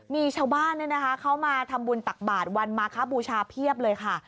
มีชาวบ้านเขามาทำบุญตักบาทวันมาคบูชาเพียบเลยค่ะ